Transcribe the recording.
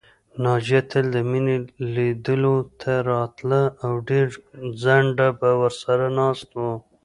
ناجیه تل د مينې لیدلو ته راتله او ډېر ځنډه به ورسره ناسته وه